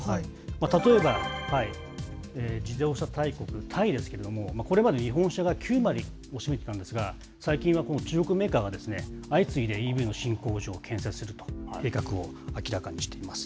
例えば、自動車大国、タイですけれども、これまで日本車が９割を占めてたんですが、最近はこの中国メーカーが、相次いでＥＶの新工場を建設するという計画を明らかにしています。